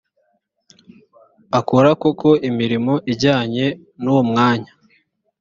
akora koko imirimo ijyanye n uwo mwanya